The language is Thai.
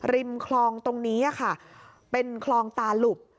ริมคลองตรงนี้ค่ะเป็นคลองตาหลุบ